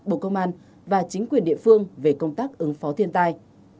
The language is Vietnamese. bộ công an và chính quyền địa phương về công tác ứng phó thiên tai